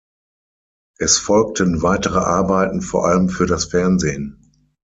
Es folgten weitere Arbeiten vor allem für das Fernsehen.